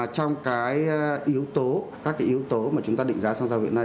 trong cái yếu tố các cái yếu tố mà chúng ta định giá xăng dầu hiện nay